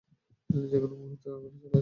সে যেকোনো মুহুর্তে এখানে চলে আসবে।